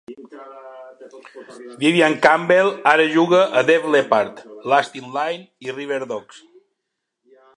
Vivian Campbell ara juga a Def Leppard, Last in Line i Riverdogs.